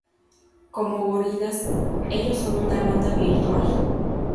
Como Gorillaz, ellos son una banda virtual.